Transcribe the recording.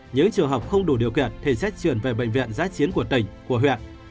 những trường học không đủ điều kiện thì xét truyền về bệnh viện giá chiến của tỉnh của huyện